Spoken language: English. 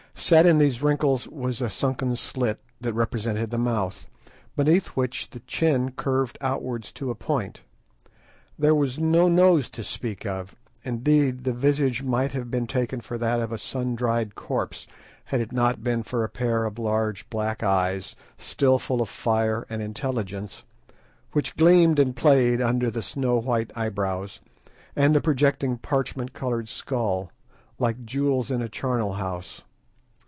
Set in these wrinkles was a sunken slit, that represented the mouth, beneath which the chin curved outwards to a point. There was no nose to speak of; indeed, the visage might have been taken for that of a sun dried corpse had it not been for a pair of large black eyes, still full of fire and intelligence, which gleamed and played under the snow white eyebrows, and the projecting parchment coloured skull, like jewels in a charnel house.